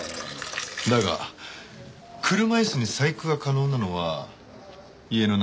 だが車椅子に細工が可能なのは家の中の人間だけ。